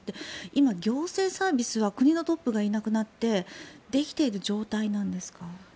今、行政サービスは国のトップがいなくなってできている状態なんですか？